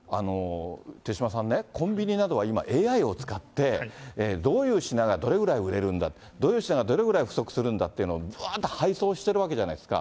手嶋さんね、コンビニなどは今、ＡＩを使って、どういう品がどれぐらい売れるんだ、どういう品がどれくらい不足するんだっていうのをばーんと配送しているわけじゃないですか。